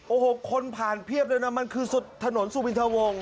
โอ้โหคนผ่านเพียบเลยนะมันคือถนนสุวินทะวง